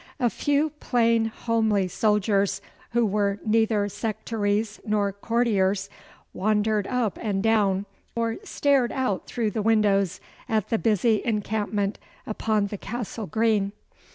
A few plain homely soldiers, who were neither sectaries nor courtiers, wandered up and down, or stared out through the windows at the busy encampment upon the Castle Green.